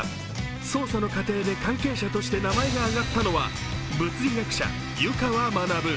捜査の過程で関係者として名前が挙がったのは、物理学者、湯川学。